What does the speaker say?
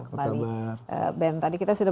kembali ben tadi kita sudah